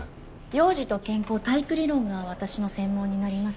幼児と健康体育理論が私の専門になります